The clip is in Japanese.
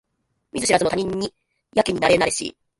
見ず知らずの他人にやけになれなれしい